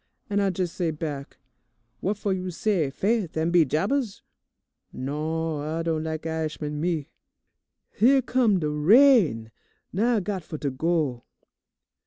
and I jes' say back, 'What fo' you say "Faith an' be jabers"?' Non, I don' lak I'ishman, me! "Here come de rain! Now I got fo' to go.